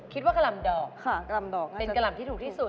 กะหล่ำดอกกลำดอกเป็นกะหล่ำที่ถูกที่สุด